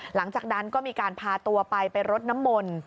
หลังจากนั้นก็มีการพาตัวไปไปรดน้ำมนต์